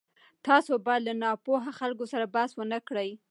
تاسو باید له ناپوهه خلکو سره بحث ونه کړئ.